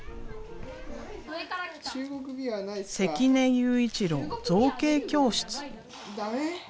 関根悠一郎造形教室。